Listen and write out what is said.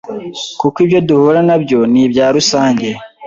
kuko ibyo duhura na byo ni ibya rusange,